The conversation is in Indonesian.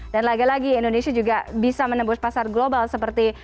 dan lagi lagi indonesia juga bisa menembus pasar global seperti